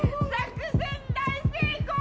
作戦大成功！